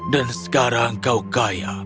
dan sekarang kau kaya